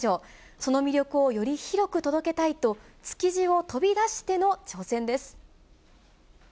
その魅力をより広く届けたいと、築地を飛び出しての挑戦です。